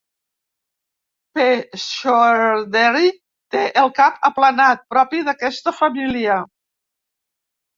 "P. Schroederi" té el cap aplanat, propi d'aquesta família.